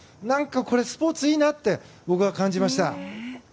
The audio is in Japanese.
スポーツいいなって僕は感じました。